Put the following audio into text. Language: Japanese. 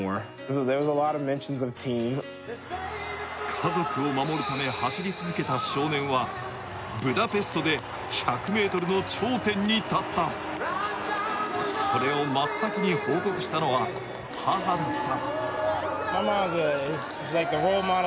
家族を守るため走り続けた少年はブダペストで、１００ｍの頂点に立ったそれを真っ先に報告したのは、母だった。